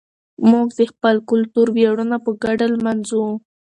موږ د خپل کلتور ویاړونه په ګډه لمانځو.